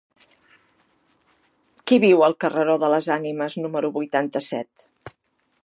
Qui viu al carreró de les Ànimes número vuitanta-set?